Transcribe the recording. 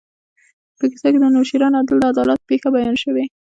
په کیسه کې د نوشیروان عادل د عدالت پېښه بیان شوې.